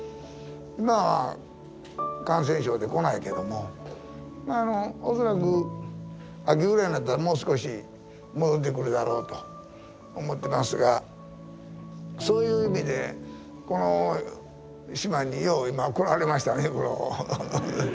今は感染症で来ないけどもまあ恐らく秋ぐらいになったらもう少し戻ってくるだろうと思ってますがそういう意味でこの島によう今来られましたね。